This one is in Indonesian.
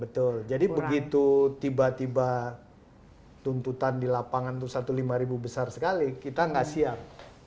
betul jadi begitu tiba tiba tuntutan di lapangan itu satu lima ribu besar sekali kita nggak siap